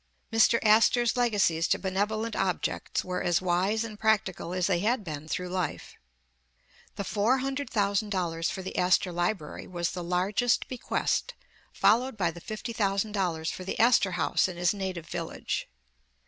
Mr. Astor 's legacies to benevolent objects were as wise and practical as they had been through life. The four hundred thousand dollars for the Astor Library was the largest bequest, followed by the fifty thousand dollars for the Astorhaus in his native village.